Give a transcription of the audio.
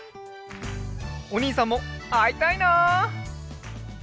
おにいさんもあいたいな！